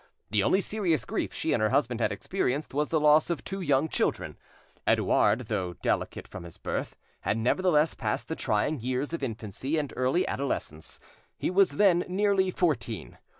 The only serious grief she and her husband had experienced was the loss of two young children. Edouard, though delicate from his birth, had nevertheless passed the trying years of infancy and early adolescence; he was them nearly fourteen.